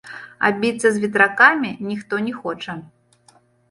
А біцца з ветракамі ніхто не хоча.